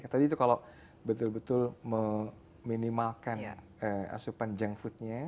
tadi itu kalau betul betul meminimalkan asupan junk foodnya